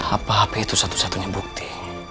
apa hp itu satu satunya bukti